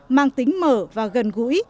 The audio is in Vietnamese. mang tính mở và gần gũi